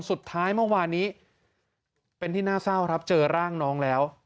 สุดท้ายเมื่อวานนี้เป็นที่น่าเศร้าครับเจอร่างน้องแล้ว